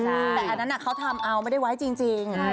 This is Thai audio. แต่อันนั้นเขาทำเอาไม่ได้ไว้จริง